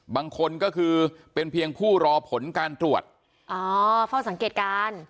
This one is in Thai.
บางคนก็คือเป็นเพียงผู้รอผลการตรวจอ๋อเฝ้าสังเกตการณ์